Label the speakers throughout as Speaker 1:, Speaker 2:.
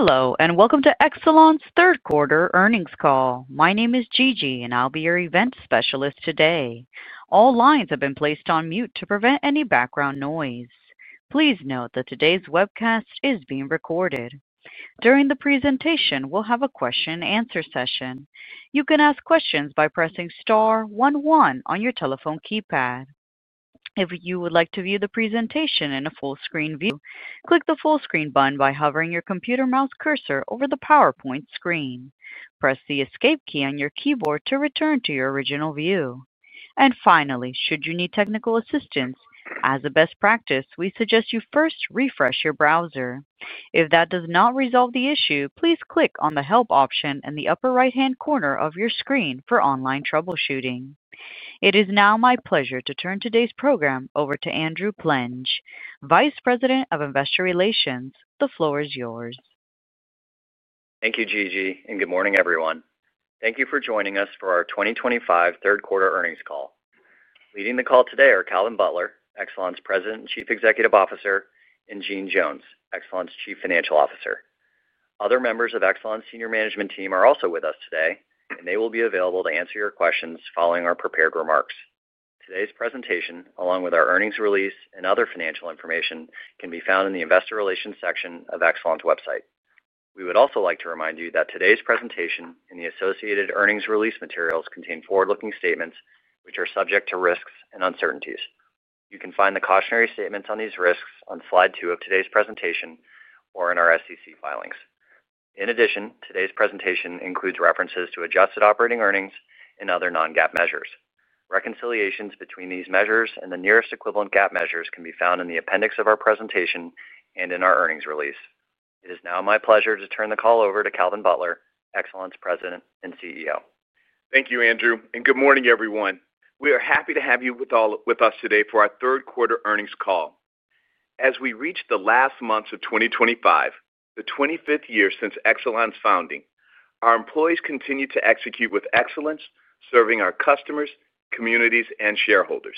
Speaker 1: Hello and welcome to Exelon's third quarter earnings call. My name is Gigi, and I'll be your event specialist today. All lines have been placed on mute to prevent any background noise. Please note that today's webcast is being recorded. During the presentation, we'll have a question-and-answer session. You can ask questions by pressing star one one on your telephone keypad. If you would like to view the presentation in a full screen view, click the full screen button by hovering your computer mouse cursor over the PowerPoint screen. Press the escape key on your keyboard to return to your original view. And finally, should you need technical assistance, as a best practice, we suggest you first refresh your browser. If that does not resolve the issue, please click on the help option in the upper right-hand corner of your screen for online troubleshooting. It is now my pleasure to turn today's program over to Andrew Plenge, Vice President of Investor Relations. The floor is yours.
Speaker 2: Thank you, Gigi, and good morning, everyone. Thank you for joining us for our 2025 third quarter earnings call. Leading the call today are Calvin Butler, Exelon's President and Chief Executive Officer, and Jeanne Jones, Exelon's Chief Financial Officer. Other members of Exelon's senior management team are also with us today, and they will be available to answer your questions following our prepared remarks. Today's presentation, along with our earnings release and other financial information, can be found in the Investor Relations section of Exelon's website. We would also like to remind you that today's presentation and the associated earnings release materials contain forward-looking statements which are subject to risks and uncertainties. You can find the cautionary statements on these risks on slide two of today's presentation or in our SEC filings In addition, today's presentation includes references to adjusted operating earnings and other non-GAAP measures. Reconciliations between these measures and the nearest equivalent GAAP measures can be found in the appendix of our presentation and in our earnings release. It is now my pleasure to turn the call over to Calvin Butler, Exelon's President and CEO.
Speaker 3: Thank you, Andrew, and good morning, everyone. We are happy to have you with us today for our third quarter earnings call. As we reach the last months of 2025, the 25th year since Exelon's founding, our employees continue to execute with excellence, serving our customers, communities, and shareholders.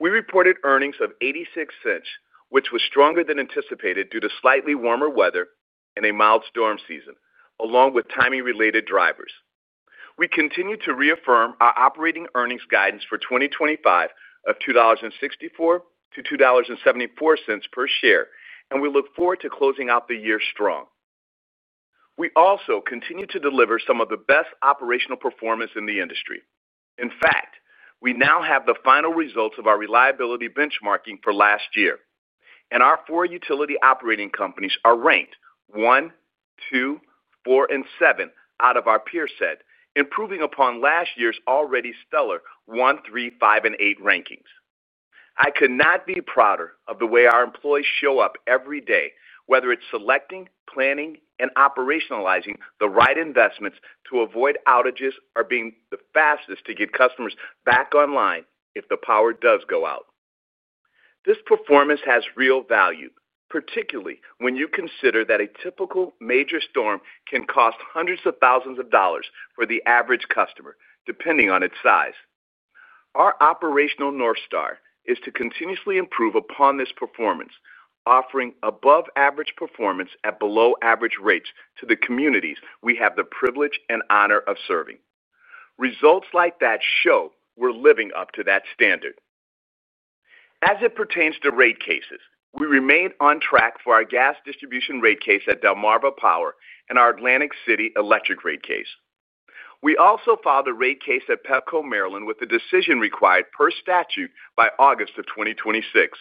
Speaker 3: We reported earnings of $0.86, which was stronger than anticipated due to slightly warmer weather and a mild storm season, along with timing-related drivers. We continue to reaffirm our operating earnings guidance for 2025 of $2.64-$2.74 per share, and we look forward to closing out the year strong. We also continue to deliver some of the best operational performance in the industry. In fact, we now have the final results of our reliability benchmarking for last year, and our four utility operating companies are ranked one, two, four, and seven out of our peer set, improving upon last year's already stellar one, three, five, and eight rankings. I could not be prouder of the way our employees show up every day, whether it's selecting, planning, and operationalizing the right investments to avoid outages or being the fastest to get customers back online if the power does go out. This performance has real value, particularly when you consider that a typical major storm can cost hundreds of thousands of dollars for the average customer, depending on its size. Our operational North Star is to continuously improve upon this performance, offering above-average performance at below-average rates to the communities we have the privilege and honor of serving. Results like that show we're living up to that standard. As it pertains to rate cases, we remained on track for our gas distribution rate case at Delmarva Power and our Atlantic City Electric rate case. We also filed a rate case at Pepco, Maryland, with the decision required per statute by August of 2026.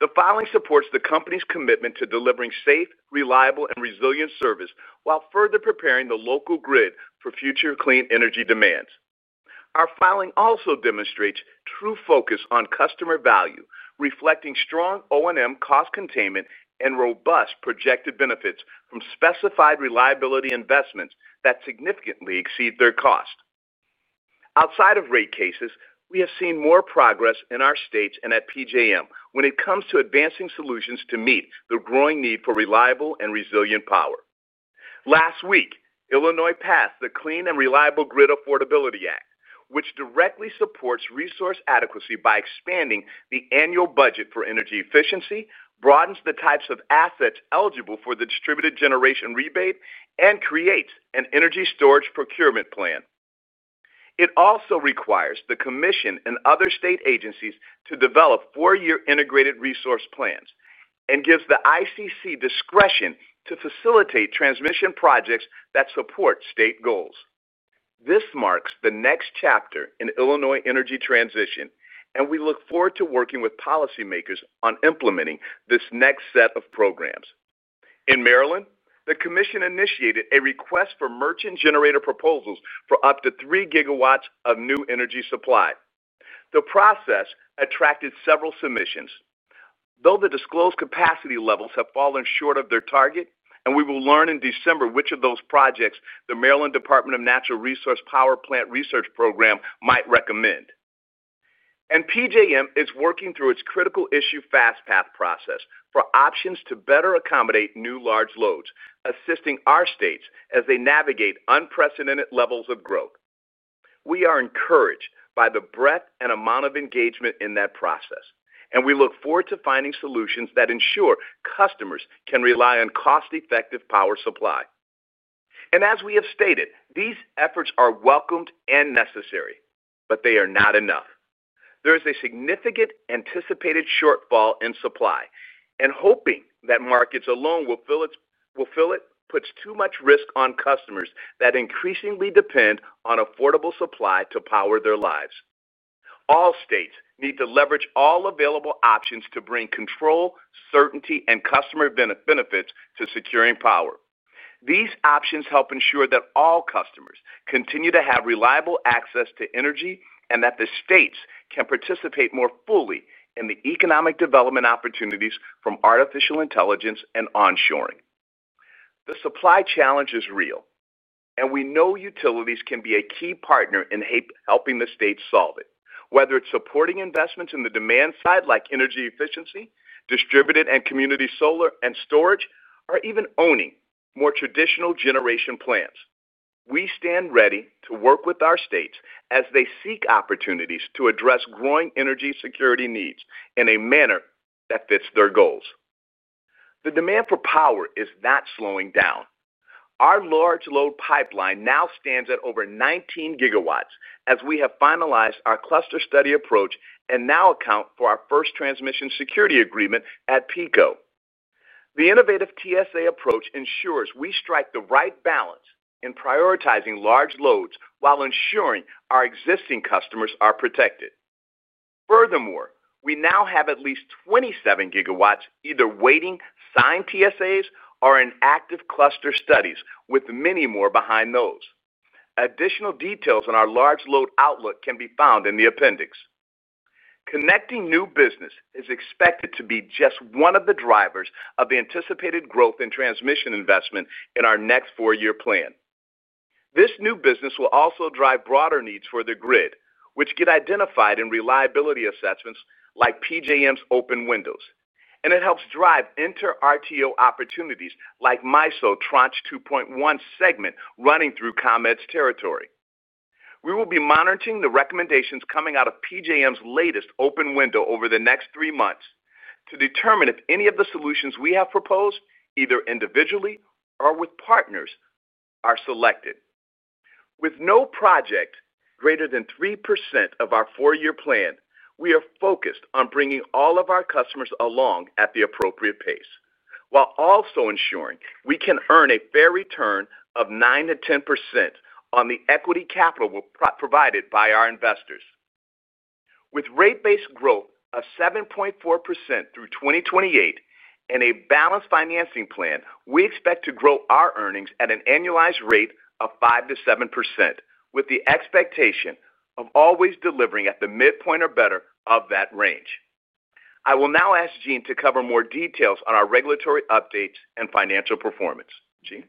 Speaker 3: The filing supports the company's commitment to delivering safe, reliable, and resilient service while further preparing the local grid for future clean energy demands. Our filing also demonstrates true focus on customer value, reflecting strong O&M cost containment and robust projected benefits from specified reliability investments that significantly exceed their cost. Outside of rate cases, we have seen more progress in our states and at PJM when it comes to advancing solutions to meet the growing need for reliable and resilient power. Last week, Illinois passed the Clean and Reliable Grid Affordability Act, which directly supports resource adequacy by expanding the annual budget for energy efficiency, broadens the types of assets eligible for the distributed generation rebate, and creates an energy storage procurement plan. It also requires the commission and other state agencies to develop four-year integrated resource plans and gives the ICC discretion to facilitate transmission projects that support state goals. This marks the next chapter in Illinois' energy transition, and we look forward to working with policymakers on implementing this next set of programs. In Maryland, the commission initiated a request for merchant generator proposals for up to 3 GW of new energy supply. The process attracted several submissions, though the disclosed capacity levels have fallen short of their target, and we will learn in December which of those projects the Maryland Department of Natural Resources Power Plant Research Program might recommend. And PJM is working through its critical issue fast path process for options to better accommodate new large loads, assisting our states as they navigate unprecedented levels of growth. We are encouraged by the breadth and amount of engagement in that process, and we look forward to finding solutions that ensure customers can rely on cost-effective power supply. And as we have stated, these efforts are welcomed and necessary, but they are not enough. There is a significant anticipated shortfall in supply, and hoping that markets alone will fill it puts too much risk on customers that increasingly depend on affordable supply to power their lives. All states need to leverage all available options to bring control, certainty, and customer benefits to securing power. These options help ensure that all customers continue to have reliable access to energy and that the states can participate more fully in the economic development opportunities from artificial intelligence and onshoring. The supply challenge is real, and we know utilities can be a key partner in helping the states solve it, whether it's supporting investments in the demand side like energy efficiency, distributed and community solar and storage, or even owning more traditional generation plants. We stand ready to work with our states as they seek opportunities to address growing energy security needs in a manner that fits their goals. The demand for power is not slowing down. Our large load pipeline now stands at over 19 GW as we have finalized our cluster study approach and now account for our first transmission security agreement at PECO. The innovative TSA approach ensures we strike the right balance in prioritizing large loads while ensuring our existing customers are protected. Furthermore, we now have at least 27 GW either waiting, signed TSAs, or in active cluster studies, with many more behind those. Additional details on our large load outlook can be found in the appendix. Connecting new business is expected to be just one of the drivers of the anticipated growth in transmission investment in our next four-year plan. This new business will also drive broader needs for the grid, which get identified in reliability assessments like PJM's open windows, and it helps drive inter-RTO opportunities like MISO Tranche 2.1 segment running through ComEd's territory. We will be monitoring the recommendations coming out of PJM's latest open window over the next three months to determine if any of the solutions we have proposed, either individually or with partners, are selected. With no project greater than 3% of our four-year plan, we are focused on bringing all of our customers along at the appropriate pace, while also ensuring we can earn a fair return of 9%-10% on the equity capital provided by our investors. With rate-based growth of 7.4% through 2028 and a balanced financing plan, we expect to grow our earnings at an annualized rate of 5%-7%, with the expectation of always delivering at the midpoint or better of that range. I will now ask Jeanne to cover more details on our regulatory updates and financial performance. Jeanne?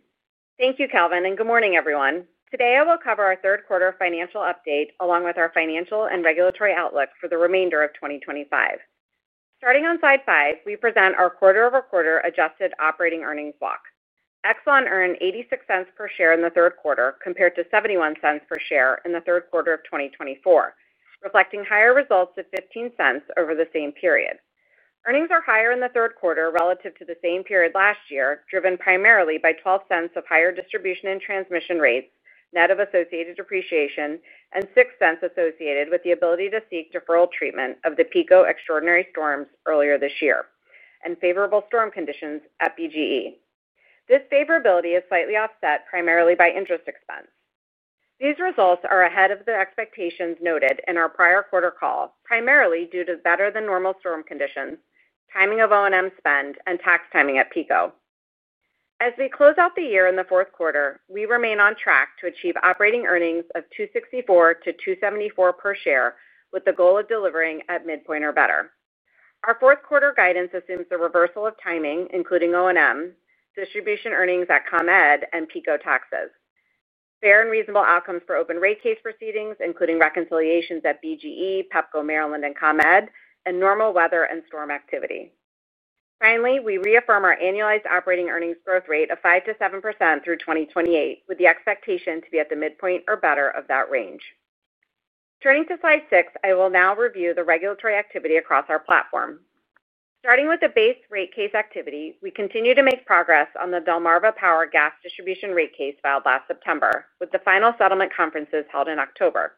Speaker 4: Thank you, Calvin, and good morning, everyone. Today, I will cover our third quarter financial update along with our financial and regulatory outlook for the remainder of 2025. Starting on slide five, we present our quarter-over-quarter adjusted operating earnings block. Exelon earned $0.86 per share in the third quarter compared to $0.71 per share in the third quarter of 2024, reflecting higher results of $0.15 over the same period. Earnings are higher in the third quarter relative to the same period last year, driven primarily by $0.12 of higher distribution and transmission rates, net of associated depreciation, and $0.06 associated with the ability to seek deferral treatment of the PECO extraordinary storms earlier this year and favorable storm conditions at BGE. This favorability is slightly offset primarily by interest expense. These results are ahead of the expectations noted in our prior quarter call, primarily due to better than normal storm conditions, timing of O&M spend, and tax timing at PECO. As we close out the year in the fourth quarter, we remain on track to achieve operating earnings of $2.64-$2.74 per share, with the goal of delivering at midpoint or better. Our fourth quarter guidance assumes the reversal of timing, including O&M, distribution earnings at ComEd, and PECO taxes. Fair and reasonable outcomes for open rate case proceedings, including reconciliations at BGE, Pepco, Maryland, and ComEd, and normal weather and storm activity. Finally, we reaffirm our annualized operating earnings growth rate of 5%-7% through 2028, with the expectation to be at the midpoint or better of that range. Turning to slide six, I will now review the regulatory activity across our platform. Starting with the base rate case activity, we continue to make progress on the Delmarva Power Gas Distribution rate case filed last September, with the final settlement conferences held in October.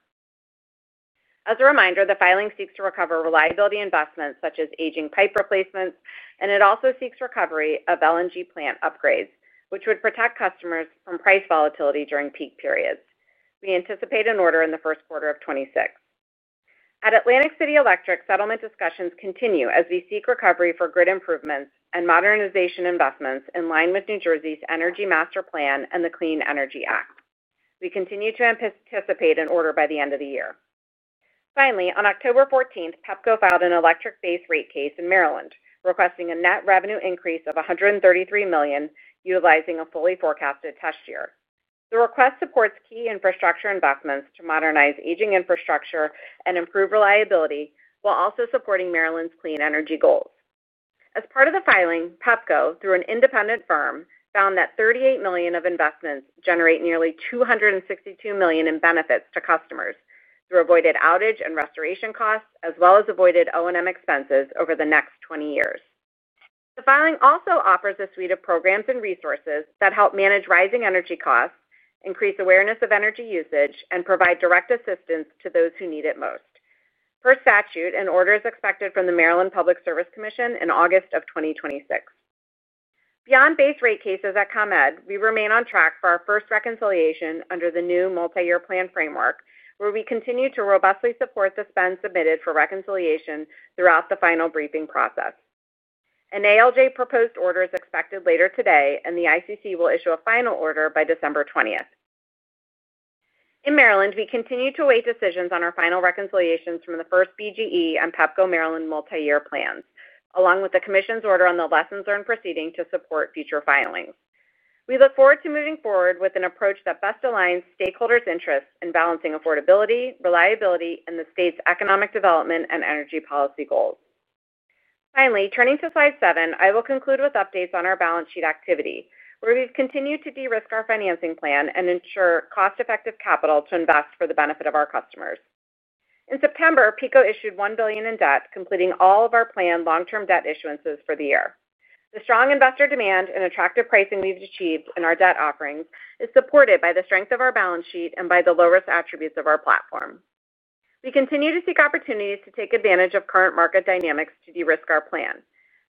Speaker 4: As a reminder, the filing seeks to recover reliability investments such as aging pipe replacements, and it also seeks recovery of LNG plant upgrades, which would protect customers from price volatility during peak periods. We anticipate an order in the first quarter of 2026. At Atlantic City Electric, settlement discussions continue as we seek recovery for grid improvements and modernization investments in line with New Jersey's Energy Master Plan and the Clean Energy Act. We continue to anticipate an order by the end of the year. Finally, on October 14th, Pepco filed an electric base rate case in Maryland, requesting a net revenue increase of $133 million utilizing a fully forecasted test year. The request supports key infrastructure investments to modernize aging infrastructure and improve reliability while also supporting Maryland's clean energy goals. As part of the filing, Pepco, through an independent firm, found that $38 million of investments generate nearly $262 million in benefits to customers through avoided outage and restoration costs, as well as avoided O&M expenses over the next 20 years. The filing also offers a suite of programs and resources that help manage rising energy costs, increase awareness of energy usage, and provide direct assistance to those who need it most. Per statute, an order is expected from the Maryland Public Service Commission in August of 2026. Beyond base rate cases at ComEd, we remain on track for our first reconciliation under the new multi-year plan framework, where we continue to robustly support the spend submitted for reconciliation throughout the final briefing process. An ALJ proposed order is expected later today, and the ICC will issue a final order by December 20th. In Maryland, we continue to await decisions on our final reconciliations from the first BGE and Pepco Maryland multi-year plans, along with the commission's order on the lessons learned proceeding to support future filings. We look forward to moving forward with an approach that best aligns stakeholders' interests in balancing affordability, reliability, and the state's economic development and energy policy goals. Finally, turning to slide seven, I will conclude with updates on our balance sheet activity, where we've continued to de-risk our financing plan and ensure cost-effective capital to invest for the benefit of our customers. In September, PECO issued $1 billion in debt, completing all of our planned long-term debt issuances for the year. The strong investor demand and attractive pricing we've achieved in our debt offerings is supported by the strength of our balance sheet and by the low-risk attributes of our platform. We continue to seek opportunities to take advantage of current market dynamics to de-risk our plan.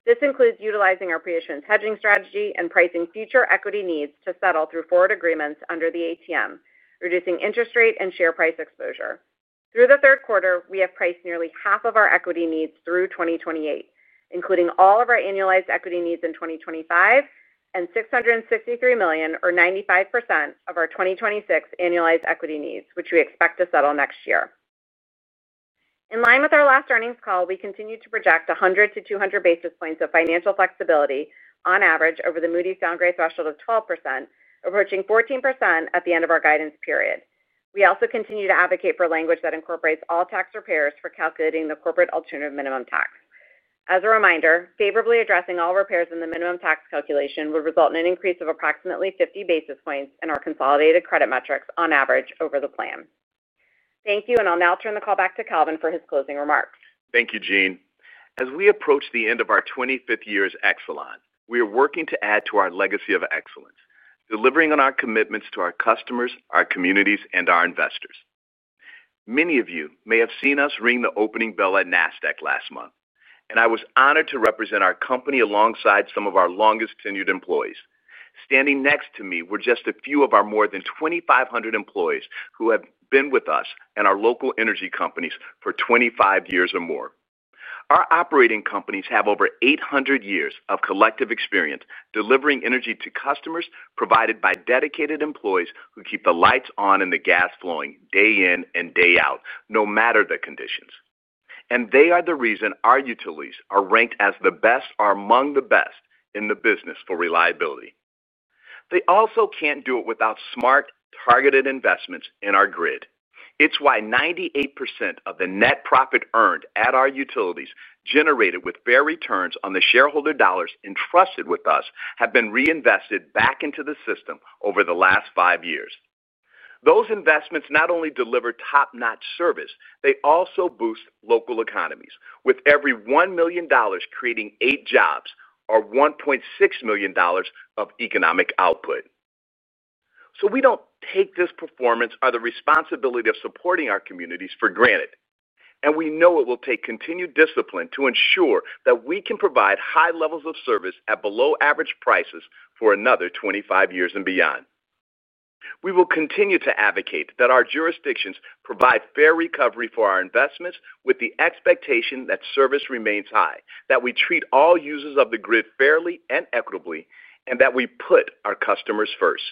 Speaker 4: This includes utilizing our pre-issuance hedging strategy and pricing future equity needs to settle through forward agreements under the ATM, reducing interest rate and share price exposure. Through the third quarter, we have priced nearly half of our equity needs through 2028, including all of our annualized equity needs in 2025 and $663 million, or 95% of our 2026 annualized equity needs, which we expect to settle next year. In line with our last earnings call, we continue to project 100 basis points to 200 basis points of financial flexibility on average over the Moody's downgrade threshold of 12%, approaching 14% at the end of our guidance period. We also continue to advocate for language that incorporates all tax repairs for calculating the corporate alternative minimum tax. As a reminder, favorably addressing all repairs in the minimum tax calculation would result in an increase of approximately 50 basis points in our consolidated credit metrics on average over the plan. Thank you, and I'll now turn the call back to Calvin for his closing remarks.
Speaker 3: Thank you, Jeanne. As we approach the end of our 25th year as Exelon, we are working to add to our legacy of excellence, delivering on our commitments to our customers, our communities, and our investors. Many of you may have seen us ring the opening bell at NASDAQ last month, and I was honored to represent our company alongside some of our longest tenured employees. Standing next to me were just a few of our more than 2,500 employees who have been with us and our local energy companies for 25 years or more. Our operating companies have over 800 years of collective experience delivering energy to customers provided by dedicated employees who keep the lights on and the gas flowing day in and day out, no matter the conditions, and they are the reason our utilities are ranked as the best or among the best in the business for reliability. They also can't do it without smart, targeted investments in our grid. It's why 98% of the net profit earned at our utilities generated with fair returns on the shareholder dollars entrusted with us have been reinvested back into the system over the last five years. Those investments not only deliver top-notch service, they also boost local economies, with every $1 million creating eight jobs or $1.6 million of economic output, so we don't take this performance or the responsibility of supporting our communities for granted, and we know it will take continued discipline to ensure that we can provide high levels of service at below-average prices for another 25 years and beyond. We will continue to advocate that our jurisdictions provide fair recovery for our investments with the expectation that service remains high, that we treat all users of the grid fairly and equitably, and that we put our customers first.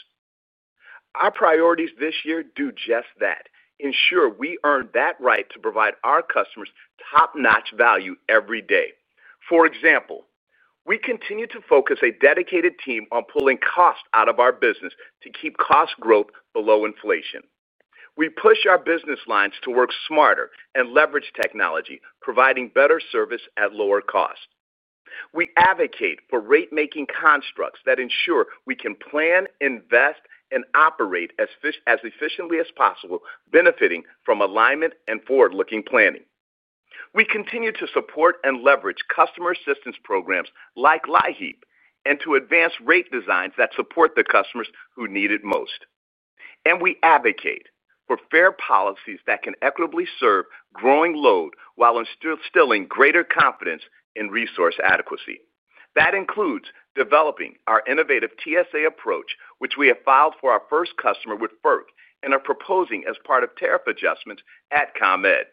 Speaker 3: Our priorities this year do just that: ensure we earn that right to provide our customers top-notch value every day. For example, we continue to focus a dedicated team on pulling cost out of our business to keep cost growth below inflation. We push our business lines to work smarter and leverage technology, providing better service at lower cost. We advocate for rate-making constructs that ensure we can plan, invest, and operate as efficiently as possible, benefiting from alignment and forward-looking planning. We continue to support and leverage customer assistance programs like LIHEAP and to advance rate designs that support the customers who need it most, and we advocate for fair policies that can equitably serve growing load while instilling greater confidence in resource adequacy. That includes developing our innovative TSA approach, which we have filed for our first customer with FERC and are proposing as part of tariff adjustments at ComEd,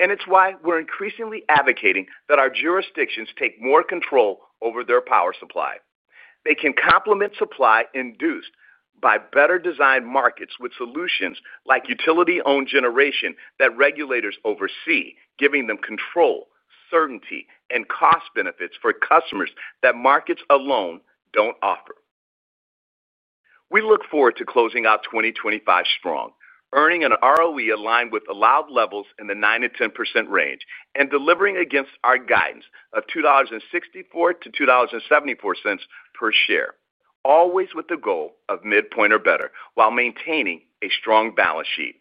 Speaker 3: and it's why we're increasingly advocating that our jurisdictions take more control over their power supply. They can complement supply induced by better-designed markets with solutions like utility-owned generation that regulators oversee, giving them control, certainty, and cost benefits for customers that markets alone don't offer. We look forward to closing out 2025 strong, earning an ROE aligned with allowed levels in the 9%-10% range and delivering against our guidance of $2.64-$2.74 per share, always with the goal of midpoint or better while maintaining a strong balance sheet.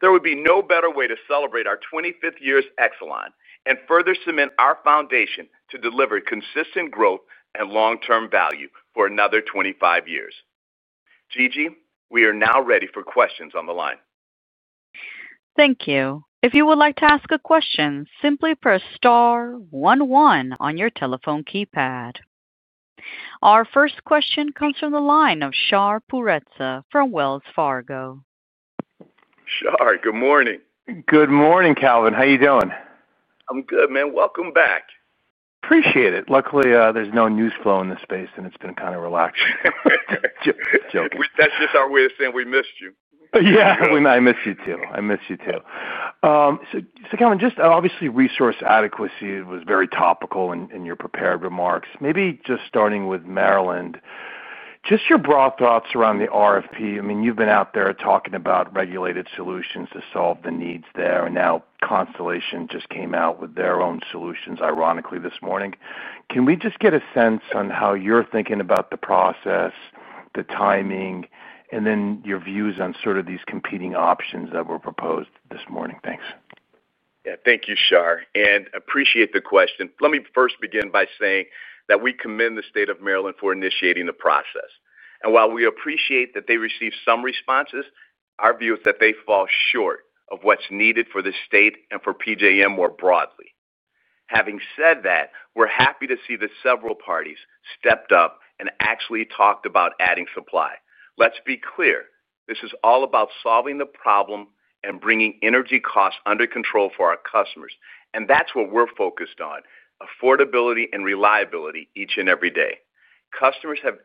Speaker 3: There would be no better way to celebrate our 25th year as Exelon and further cement our foundation to deliver consistent growth and long-term value for another 25 years. Gigi, we are now ready for questions on the line.
Speaker 1: Thank you. If you would like to ask a question, simply press star 11 on your telephone keypad. Our first question comes from the line of Shar Pourreza from Wells Fargo.
Speaker 3: Shar, good morning.
Speaker 5: Good morning, Calvin. How you doing?
Speaker 3: I'm good, man. Welcome back.
Speaker 5: Appreciate it. Luckily, there's no news flow in this space, and it's been kind of relaxed.
Speaker 3: That's just our way of saying we missed you.
Speaker 5: Yeah. I miss you too. I miss you too. So, Calvin, just obviously, resource adequacy was very topical in your prepared remarks. Maybe just starting with Maryland, just your broad thoughts around the RFP. I mean, you've been out there talking about regulated solutions to solve the needs there. And now, Constellation just came out with their own solutions, ironically, this morning. Can we just get a sense on how you're thinking about the process, the timing, and then your views on sort of these competing options that were proposed this morning? Thanks.
Speaker 3: Yeah. Thank you, Shar. And I appreciate the question. Let me first begin by saying that we commend the state of Maryland for initiating the process. And while we appreciate that they received some responses, our view is that they fall short of what's needed for the state and for PJM more broadly. Having said that, we're happy to see that several parties stepped up and actually talked about adding supply. Let's be clear. This is all about solving the problem and bringing energy costs under control for our customers. And that's what we're focused on: affordability and reliability each and every day. Customers have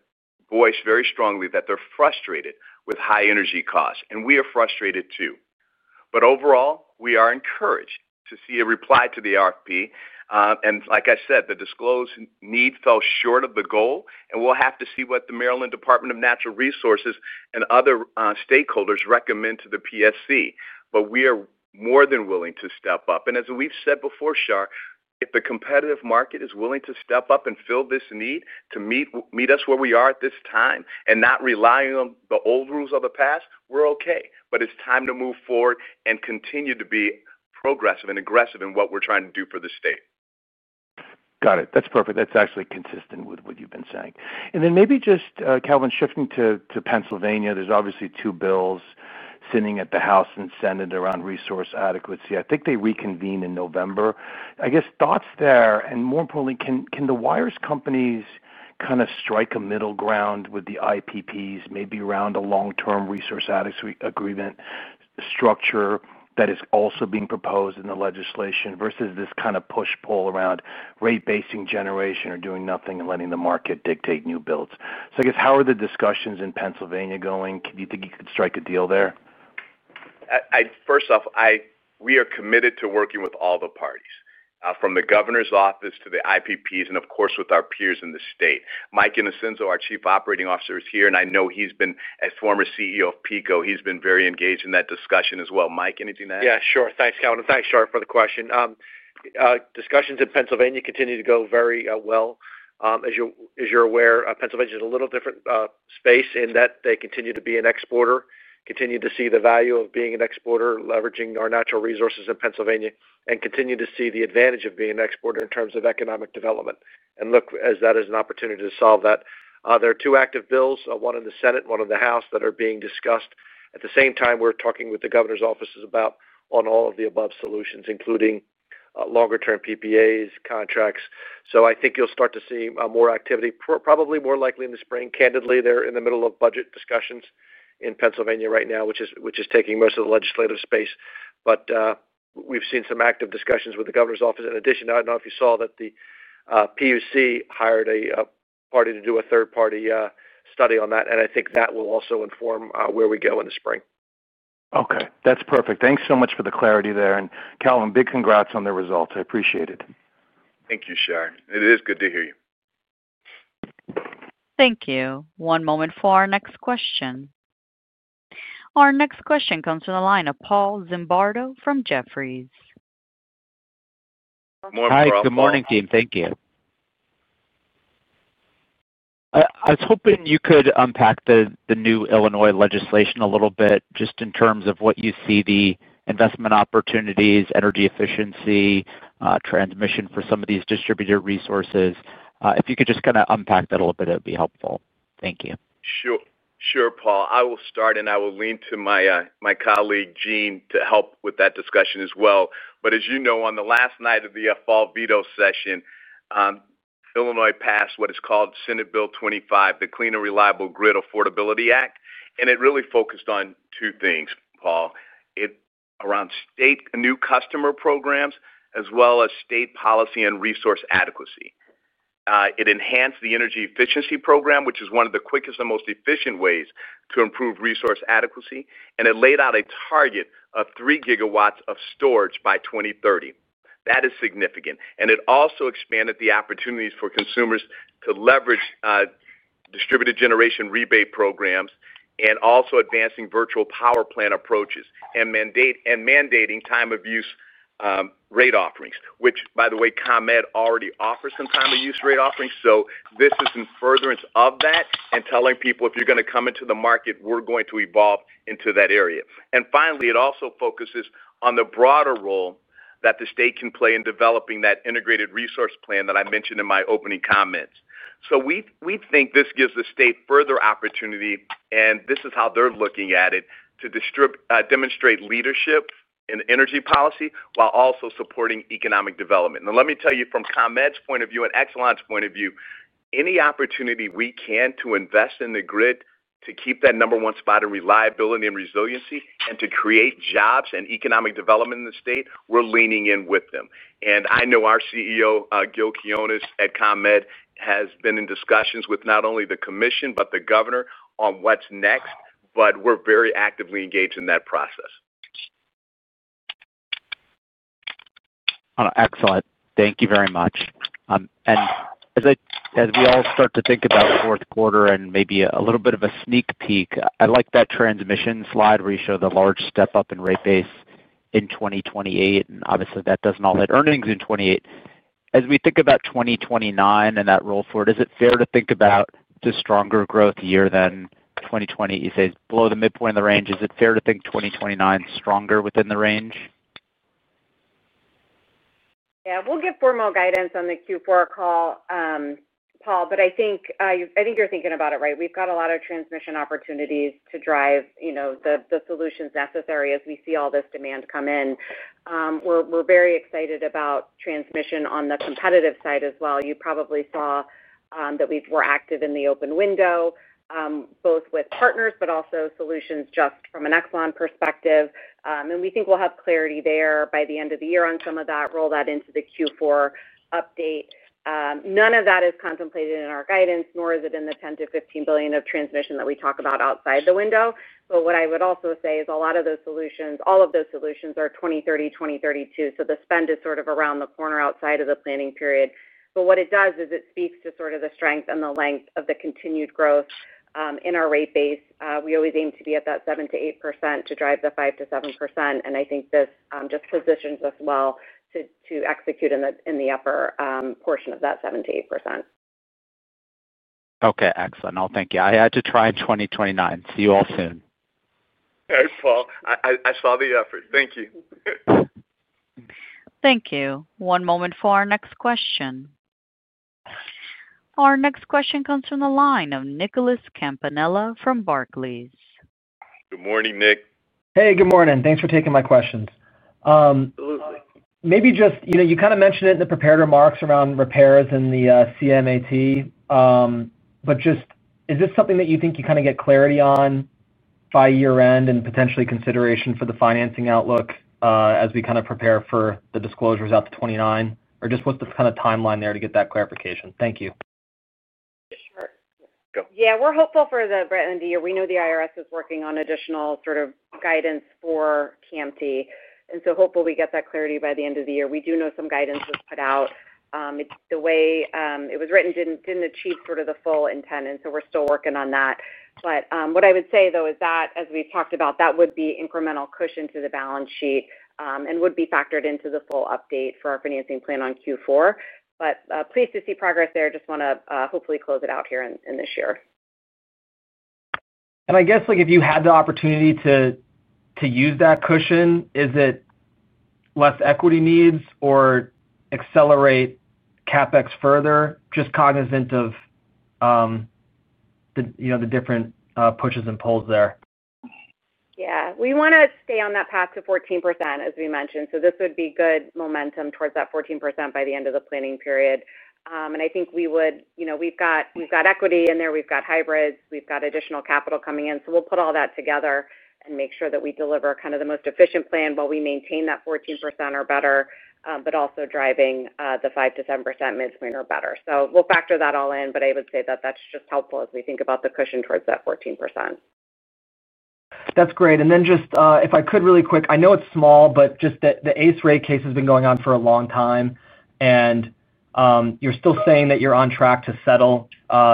Speaker 3: voiced very strongly that they're frustrated with high energy costs, and we are frustrated too. But overall, we are encouraged to see a reply to the RFP. And like I said, the disclosed need fell short of the goal, and we'll have to see what the Maryland Department of Natural Resources and other stakeholders recommend to the PSC. But we are more than willing to step up. And as we've said before, Shar, if the competitive market is willing to step up and fill this need to meet us where we are at this time and not relying on the old rules of the past, we're okay. But it's time to move forward and continue to be progressive and aggressive in what we're trying to do for the state.
Speaker 5: Got it. That's perfect. That's actually consistent with what you've been saying. And then maybe just, Calvin, shifting to Pennsylvania. There's obviously two bills sitting at the House and Senate around resource adequacy. I think they reconvened in November. I guess thoughts there, and more importantly, can the wires companies kind of strike a middle ground with the IPPs, maybe around a long-term resource adequacy agreement structure that is also being proposed in the legislation versus this kind of push-pull around rate-basing generation or doing nothing and letting the market dictate new builds? So I guess how are the discussions in Pennsylvania going? Do you think you could strike a deal there?
Speaker 3: First off, we are committed to working with all the parties, from the governor's office to the IPPs and, of course, with our peers in the state. Mike Innocenzo, our Chief Operating Officer, is here, and I know he's been, as former CEO of PECO, he's been very engaged in that discussion as well. Mike, anything to add?
Speaker 6: Yeah. Sure. Thanks, Calvin. Thanks, Shar, for the question. Discussions in Pennsylvania continue to go very well. As you're aware, Pennsylvania is a little different space in that they continue to be an exporter, continue to see the value of being an exporter, leveraging our natural resources in Pennsylvania, and continue to see the advantage of being an exporter in terms of economic development. And look, as that is an opportunity to solve that. There are two active bills, one in the Senate, one in the House, that are being discussed. At the same time, we're talking with the governor's offices about all of the above solutions, including longer-term PPAs, contracts. So I think you'll start to see more activity, probably more likely in the spring. Candidly, they're in the middle of budget discussions in Pennsylvania right now, which is taking most of the legislative space. But we've seen some active discussions with the governor's office. In addition, I don't know if you saw that the PUC hired a party to do a third-party study on that, and I think that will also inform where we go in the spring.
Speaker 5: Okay. That's perfect. Thanks so much for the clarity there. And Calvin, big congrats on the results. I appreciate it.
Speaker 3: Thank you, Shar. It is good to hear you.
Speaker 1: Thank you. One moment for our next question. Our next question comes from the line of Paul Zimbardo from Jefferies.
Speaker 3: Good morning, Paul.
Speaker 7: Hi. Good morning, Jeanne. Thank you. I was hoping you could unpack the new Illinois legislation a little bit just in terms of what you see the investment opportunities, energy efficiency. Transmission for some of these distributed resources. If you could just kind of unpack that a little bit, that would be helpful. Thank you.
Speaker 3: Sure. Sure, Paul. I will start, and I will lean to my colleague, Jeanne, to help with that discussion as well. But as you know, on the last night of the Fall Veto Session, Illinois passed what is called Senate Bill 25, the Clean and Reliable Grid Affordability Act. And it really focused on two things, Paul. Around state new customer programs as well as state policy and resource adequacy. It enhanced the energy efficiency program, which is one of the quickest and most efficient ways to improve resource adequacy. And it laid out a target of 3 GW of storage by 2030. That is significant. And it also expanded the opportunities for consumers to leverage distributed generation rebate programs and also advancing virtual power plant approaches and mandating time-of-use rate offerings, which, by the way, ComEd already offers some time-of-use rate offerings. So this is in furtherance of that and telling people, "If you're going to come into the market, we're going to evolve into that area." And finally, it also focuses on the broader role that the state can play in developing that integrated resource plan that I mentioned in my opening comments. So we think this gives the state further opportunity, and this is how they're looking at it, to demonstrate leadership in energy policy while also supporting economic development. Now, let me tell you from ComEd's point of view and Exelon's point of view, any opportunity we can to invest in the grid to keep that number one spot in reliability and resiliency and to create jobs and economic development in the state, we're leaning in with them. And I know our CEO, Gil Quiniones, at ComEd has been in discussions with not only the commission but the governor on what's next, but we're very actively engaged in that process.
Speaker 7: Excellent. Thank you very much. And as we all start to think about the fourth quarter and maybe a little bit of a sneak peek, I like that transmission slide where you show the large step-up in rate base in 2028. And obviously, that doesn't all hit earnings in 2028. As we think about 2029 and that role for it, is it fair to think about just stronger growth year than 2020? You say it's below the midpoint of the range. Is it fair to think 2029 is stronger within the range?
Speaker 4: Yeah. We'll get formal guidance on the Q4 call. Paul, but I think you're thinking about it right. We've got a lot of transmission opportunities to drive the solutions necessary as we see all this demand come in. We're very excited about transmission on the competitive side as well. You probably saw that we were active in the open window. Both with partners but also solutions just from an Exelon perspective. And we think we'll have clarity there by the end of the year on some of that, roll that into the Q4 update. None of that is contemplated in our guidance, nor is it in the $10 billion-$15 billion of transmission that we talk about outside the window. But what I would also say is a lot of those solutions, all of those solutions are 2030, 2032. So the spend is sort of around the corner outside of the planning period. But what it does is it speaks to sort of the strength and the length of the continued growth in our rate base. We always aim to be at that 7%-8% to drive the 5%-7%. And I think this just positions us well to execute in the upper portion of that 7%-8%.
Speaker 7: Okay. Excellent. I'll thank you. I had to try in 2029. See you all soon.
Speaker 3: Thanks, Paul. I saw the effort. Thank you.
Speaker 1: Thank you. One moment for our next question. Our next question comes from the line of Nicholas Campanella from Barclays.
Speaker 3: Good morning, Nick.
Speaker 8: Hey, good morning. Thanks for taking my questions.
Speaker 3: Absolutely.
Speaker 8: Maybe just you kind of mentioned it in the prepared remarks around repairs and the CAMT. But just is this something that you think you kind of get clarity on by year-end and potentially consideration for the financing outlook as we kind of prepare for the disclosures out to 2029? Or just what's the kind of timeline there to get that clarification? Thank you.
Speaker 3: Sure. Go for it.
Speaker 4: Yeah. We're hopeful for the end of the year. We know the IRS is working on additional sort of guidance for CAMT. And so hopefully, we get that clarity by the end of the year. We do know some guidance was put out. The way it was written didn't achieve sort of the full intent, and so we're still working on that. But what I would say, though, is that as we've talked about, that would be incremental cushion to the balance sheet and would be factored into the full update for our financing plan on Q4. But pleased to see progress there. Just want to hopefully close it out here in this year.
Speaker 8: And I guess if you had the opportunity to use that cushion, is it less equity needs or accelerate CapEx further, just cognizant of the different pushes and pulls there?
Speaker 4: Yeah. We want to stay on that path to 14%, as we mentioned. So this would be good momentum towards that 14% by the end of the planning period. And I think we've got equity in there. We've got hybrids. We've got additional capital coming in. So we'll put all that together and make sure that we deliver kind of the most efficient plan while we maintain that 14% or better, but also driving the 5%-7% midpoint or better. So we'll factor that all in. But I would say that that's just helpful as we think about the cushion towards that 14%.
Speaker 8: That's great. And then just if I could, really quick, I know it's small, but just that the ACE rate case has been going on for a long time. And you're still saying that you're on track to settle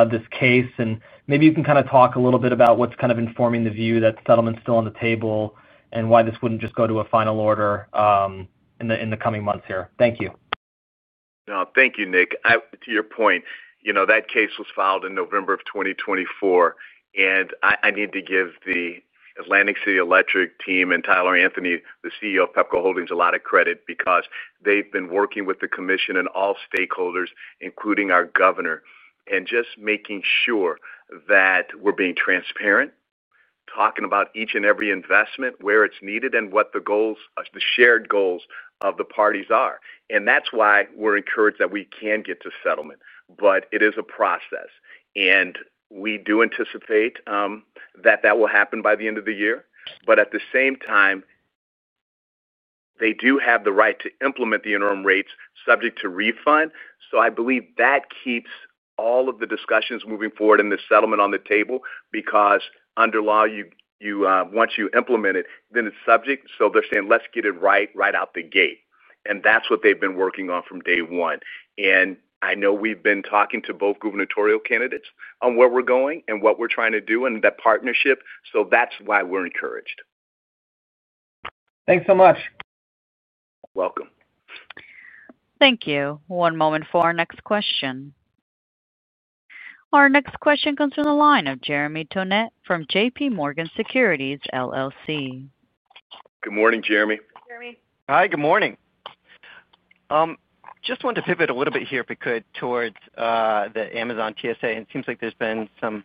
Speaker 8: this case. And maybe you can kind of talk a little bit about what's kind of informing the view that settlement's still on the table and why this wouldn't just go to a final order in the coming months here. Thank you.
Speaker 3: No, thank you, Nick. To your point, that case was filed in November of 2024. And I need to give the Atlantic City Electric team and Tyler Anthony, the CEO of Pepco Holdings, a lot of credit because they've been working with the commission and all stakeholders, including our governor, and just making sure that we're being transparent, talking about each and every investment where it's needed and what the shared goals of the parties are. And that's why we're encouraged that we can get to settlement. But it is a process. And we do anticipate that that will happen by the end of the year. But at the same time, they do have the right to implement the interim rates, subject to refund. So I believe that keeps all of the discussions moving forward in the settlement on the table because under law, once you implement it, then it's subject. So they're saying, "Let's get it right out the gate." And that's what they've been working on from day one. And I know we've been talking to both gubernatorial candidates on where we're going and what we're trying to do and that partnership. So that's why we're encouraged.
Speaker 8: Thanks so much.
Speaker 3: Welcome.
Speaker 1: Thank you. One moment for our next question. Our next question comes from the line of Jeremy Tonet from JPMorgan Securities LLC.
Speaker 3: Good morning, Jeremy.
Speaker 4: Jeremy.
Speaker 9: Hi. Good morning. Just wanted to pivot a little bit here, if we could, towards the Amazon TSA. And it seems like there's been some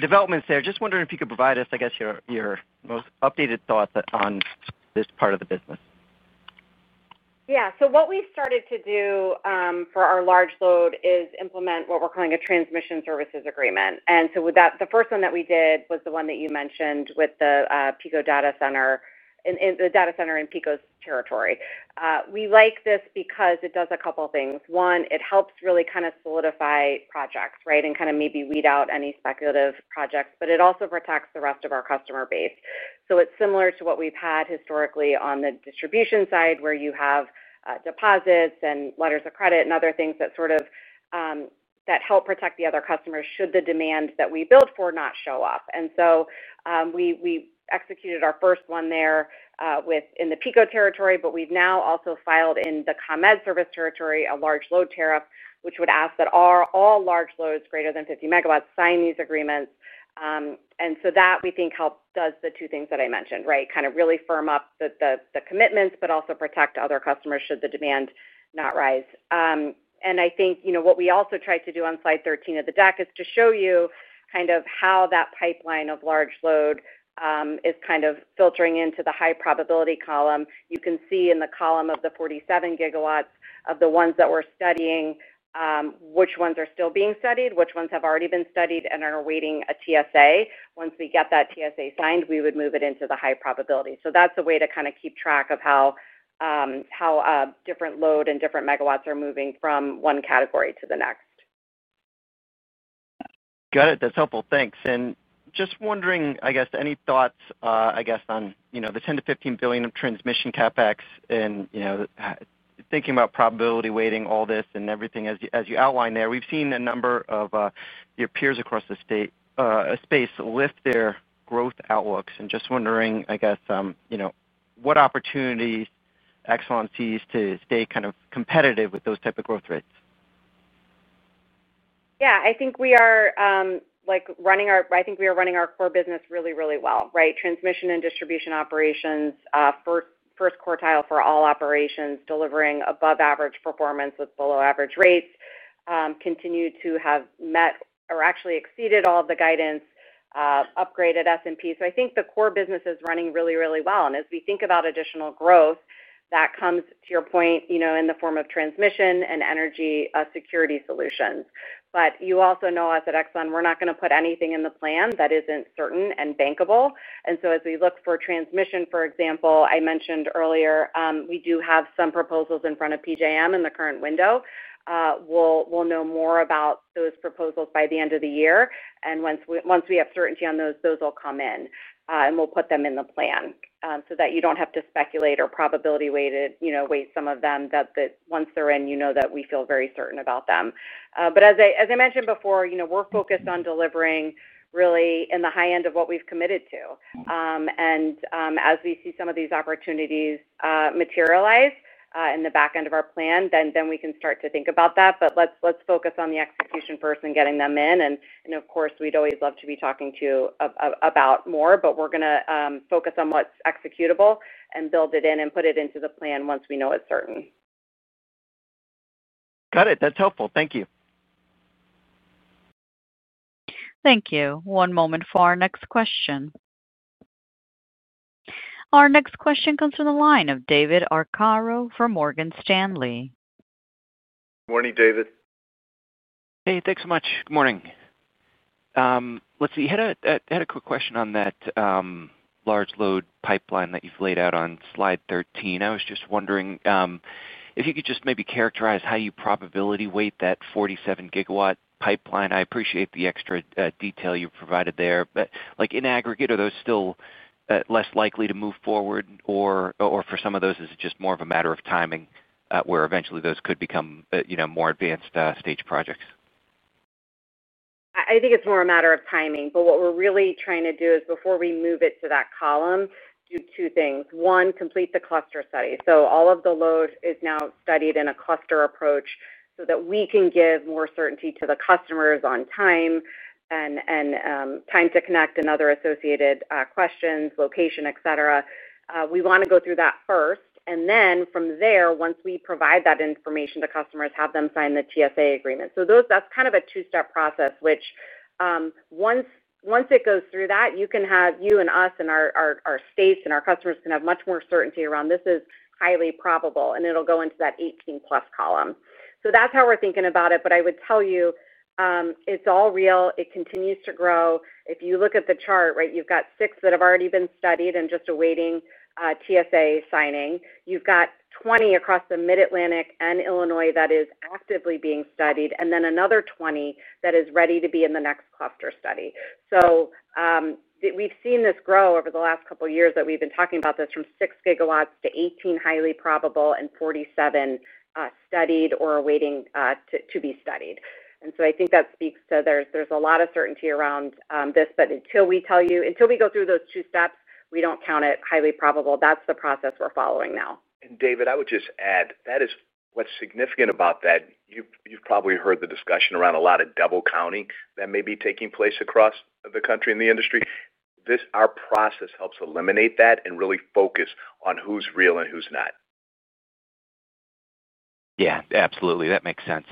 Speaker 9: developments there. Just wondering if you could provide us, I guess, your most updated thoughts on this part of the business.
Speaker 4: Yeah. So what we started to do for our large load is implement what we're calling a transmission services agreement. And so the first one that we did was the one that you mentioned with the PECO data center in PECO's territory. We like this because it does a couple of things. One, it helps really kind of solidify projects, right, and kind of maybe weed out any speculative projects. But it also protects the rest of our customer base. So it's similar to what we've had historically on the distribution side where you have deposits and letters of credit and other things that sort of help protect the other customers should the demand that we build for not show up. And so we executed our first one there in the PECO territory, but we've now also filed in the ComEd service territory a large load tariff, which would ask that all large loads greater than 50 MW sign these agreements. And so that, we think, helps does the two things that I mentioned, right, kind of really firm up the commitments but also protect other customers should the demand not rise. And I think what we also tried to do on slide 13 of the deck is to show you kind of how that pipeline of large load is kind of filtering into the high-probability column. You can see in the column of the 47 GW of the ones that we're studying which ones are still being studied, which ones have already been studied, and are awaiting a TSA. Once we get that TSA signed, we would move it into the high probability. So that's a way to kind of keep track of how different load and different megawatts are moving from one category to the next.
Speaker 7: Got it. That's helpful. Thanks. And just wondering, I guess, any thoughts, I guess, on the $10 billion-$15 billion of transmission CapEx and thinking about probability weighting, all this and everything as you outline there. We've seen a number of your peers across the space lift their growth outlooks. And just wondering, I guess, what opportunities Exelon sees to stay kind of competitive with those types of growth rates?
Speaker 4: Yeah. I think we are running our core business really, really well, right? Transmission and distribution operations. First quartile for all operations, delivering above-average performance with below-average rates, continue to have met or actually exceeded all of the guidance. Upgraded S&P. So I think the core business is running really, really well. And as we think about additional growth, that comes, to your point, in the form of transmission and energy security solutions. But you also know us at Exelon. We're not going to put anything in the plan that isn't certain and bankable. And so as we look for transmission, for example, I mentioned earlier, we do have some proposals in front of PJM in the current window. We'll know more about those proposals by the end of the year. And once we have certainty on those, those will come in. And we'll put them in the plan so that you don't have to speculate or probability weight some of them, that once they're in, you know that we feel very certain about them. But as I mentioned before, we're focused on delivering really in the high end of what we've committed to. And as we see some of these opportunities materialize in the back end of our plan, then we can start to think about that. But let's focus on the execution first and getting them in. And of course, we'd always love to be talking to you about more, but we're going to focus on what's executable and build it in and put it into the plan once we know it's certain.
Speaker 7: Got it. That's helpful. Thank you.
Speaker 1: Thank you. One moment for our next question. Our next question comes from the line of David Arcaro from Morgan Stanley.
Speaker 3: Good morning, David.
Speaker 10: Hey, thanks so much. Good morning. Let's see. I had a quick question on that. Large load pipeline that you've laid out on slide 13. I was just wondering if you could just maybe characterize how you probability weight that 47 GW pipeline. I appreciate the extra detail you provided there. But in aggregate, are those still less likely to move forward? Or for some of those, is it just more of a matter of timing where eventually those could become more advanced stage projects?
Speaker 4: I think it's more a matter of timing. But what we're really trying to do is before we move it to that column, do two things. One, complete the cluster study. So all of the load is now studied in a cluster approach so that we can give more certainty to the customers on time and time to connect and other associated questions, location, etc. We want to go through that first. And then from there, once we provide that information to customers, have them sign the TSA agreement. So that's kind of a two-step process. Once it goes through that, you and us and our states and our customers can have much more certainty around this is highly probable, and it'll go into that 18+ column. So that's how we're thinking about it. But I would tell you. It's all real. It continues to grow. If you look at the chart, right, you've got six that have already been studied and just awaiting TSA signing. You've got 20 across the Mid-Atlantic and Illinois that is actively being studied, and then another 20 that is ready to be in the next cluster study. So we've seen this grow over the last couple of years that we've been talking about this from 6 GW to 18 GW highly probable and 47 GW studied or awaiting to be studied. And so I think that speaks to there's a lot of certainty around this. But until we tell you until we go through those two steps, we don't count it highly probable. That's the process we're following now.
Speaker 3: And David, I would just add that is what's significant about that. You've probably heard the discussion around a lot of double-counting that may be taking place across the country in the industry. Our process helps eliminate that and really focus on who's real and who's not.
Speaker 10: Yeah. Absolutely. That makes sense.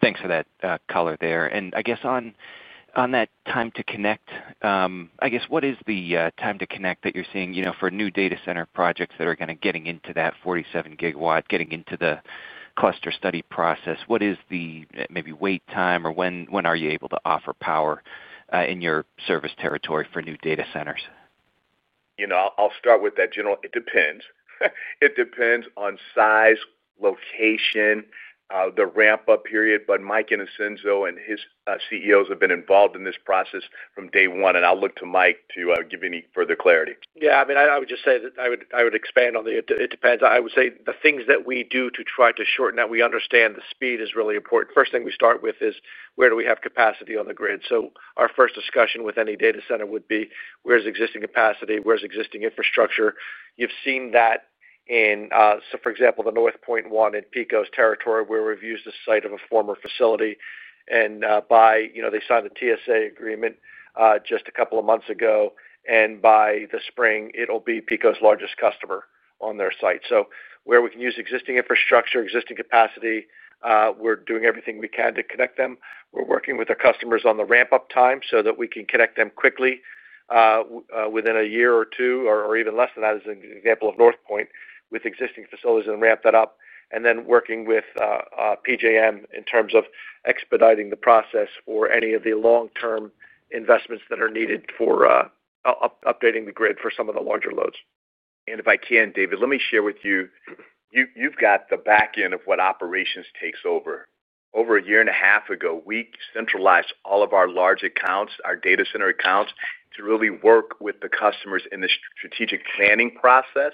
Speaker 10: Thanks for that color there. And I guess on that time to connect, I guess, what is the time to connect that you're seeing for new data center projects that are kind of getting into that 47 GW, getting into the cluster study process? What is the maybe wait time or when are you able to offer power in your service territory for new data centers?
Speaker 3: I'll start with that general. It depends. It depends on size, location, the ramp-up period. But Mike Innocenzo and his CEOs have been involved in this process from day one. And I'll look to Mike to give any further clarity.
Speaker 6: Yeah. I mean, I would just say that I would expand on the it depends. I would say the things that we do to try to shorten that, we understand the speed is really important. First thing we start with is where do we have capacity on the grid? So our first discussion with any data center would be, where's existing capacity? Where's existing infrastructure? You've seen that in, for example, the North Point One in PECO's territory where we've used the site of a former facility. And they signed a TSA agreement just a couple of months ago. And by the spring, it'll be PECO's largest customer on their site. So where we can use existing infrastructure, existing capacity, we're doing everything we can to connect them. We're working with our customers on the ramp-up time so that we can connect them quickly. Within a year or two or even less than that, as an example of North Point with existing facilities and ramp that up. And then working with PJM in terms of expediting the process for any of the long-term investments that are needed for updating the grid for some of the larger loads.
Speaker 3: And if I can, David, let me share with you. You've got the back end of what operations takes over. Over a year and a half ago, we centralized all of our large accounts, our data center accounts, to really work with the customers in the strategic planning process.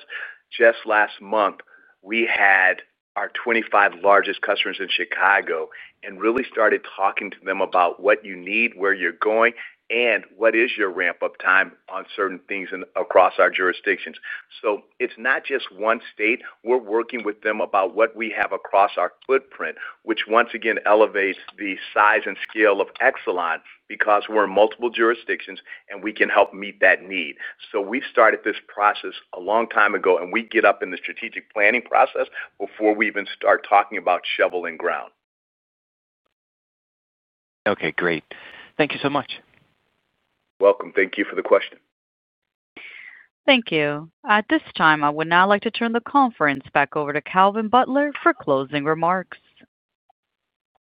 Speaker 3: Just last month, we had our 25 largest customers in Chicago and really started talking to them about what you need, where you're going, and what is your ramp-up time on certain things across our jurisdictions. So it's not just one state. We're working with them about what we have across our footprint, which once again elevates the size and scale of Exelon because we're in multiple jurisdictions and we can help meet that need. So we started this process a long time ago, and we get up in the strategic planning process before we even start talking about shoveling ground.
Speaker 10: Okay. Great. Thank you so much.
Speaker 3: Welcome. Thank you for the question.
Speaker 1: Thank you. At this time, I would now like to turn the conference back over to Calvin Butler for closing remarks.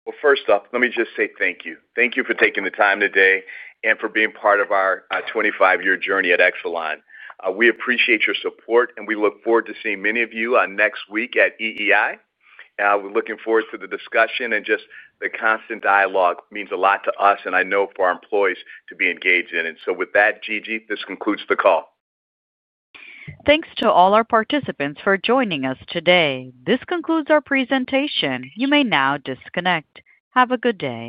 Speaker 3: Well, first off, let me just say thank you. Thank you for taking the time today and for being part of our 25-year journey at Exelon. We appreciate your support, and we look forward to seeing many of you next week at EEI. We're looking forward to the discussion, and just the constant dialogue means a lot to us and I know for our employees to be engaged in. And so with that, Gigi, this concludes the call.
Speaker 1: Thanks to all our participants for joining us today. This concludes our presentation. You may now disconnect. Have a good day.